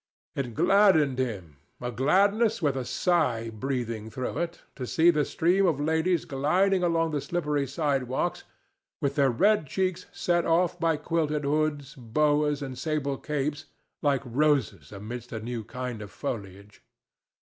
It gladdened him—a gladness with a sigh breathing through it—to see the stream of ladies gliding along the slippery sidewalks with their red cheeks set off by quilted hoods, boas and sable capes like roses amidst a new kind of foliage.